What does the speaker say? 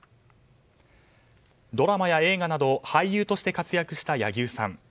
ドラマや映画など俳優として活躍した柳生さん。